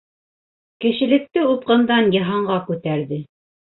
Кешелекте упҡындан йыһанға күтәрҙе!